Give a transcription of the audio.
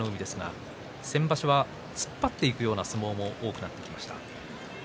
先場所は突っ張っていく相撲も多くなってきました。